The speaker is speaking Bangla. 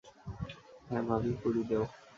হ্যাঁ ভাবি, পুরি দেও।